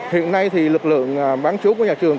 hiện nay thì lực lượng bán chú của nhà trường